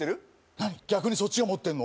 何逆にそっちが持ってんの？